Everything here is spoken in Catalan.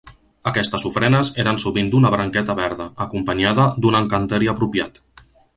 Aquestes ofrenes eren sovint d'una branqueta verda, acompanyada d'un encanteri apropiat.